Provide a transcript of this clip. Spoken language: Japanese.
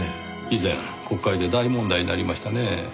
以前国会で大問題になりましたねぇ。